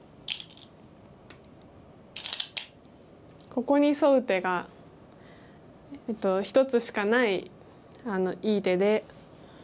ここにソウ手が一つしかないいい手で。